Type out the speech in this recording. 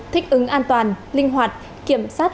thích ứng an toàn linh hoạt kiểm sát